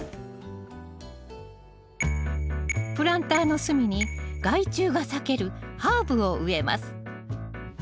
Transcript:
プランターの隅に害虫が避けるハーブを植えます